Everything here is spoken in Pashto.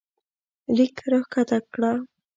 لیک راښکته کړه